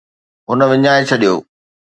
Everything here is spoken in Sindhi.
هن وڃائي ڇڏيو